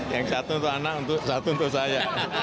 yang satu untuk anak untuk satu untuk saya